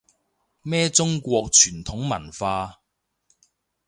咩中國傳統文化